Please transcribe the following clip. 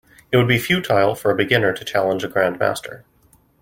It would be futile for a beginner to challenge a grandmaster.